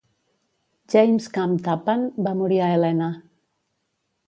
James Camp Tappan va morir a Helena.